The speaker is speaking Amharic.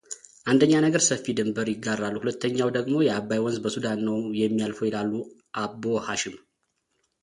አንደኛ ነገር ሰፊ ድንበር ይጋራሉ ሁለተኛው ደግሞ የአባይ ወንዝ በሱዳን ነው የሚያልፈው ይላሉ አቦ ሓሽም።